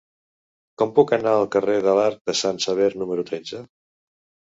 Com puc anar al carrer de l'Arc de Sant Sever número tretze?